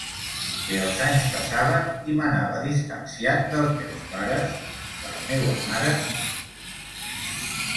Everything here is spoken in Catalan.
Que els anys passaven i m'anava distanciant dels meus pares, de la meua mare...